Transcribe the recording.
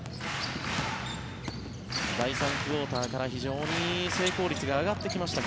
第３クオーターから非常に成功率が上がってきました